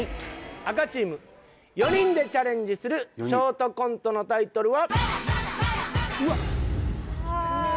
赤チーム４人でチャレンジするショートコントのタイトルは。